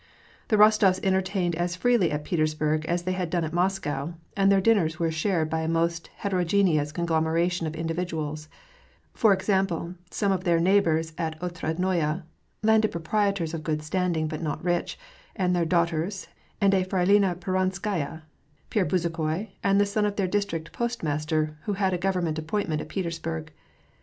The Rostofs entertained as freely at Petersburg as they had done at Moscow, and their dinners were shared by a most heterogeneous conglomeration of individuals; for example, some of their neighbors at Otradnoye, landed proprietors of good standing, but not rich, and their daughters and SLfrStlina Peronskaya, Pierre Bezukhoi, and the son of their district postmaster, who had a government appointment at Peters burg.